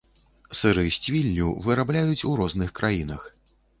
Сыры з цвіллю вырабляюць у розных краінах.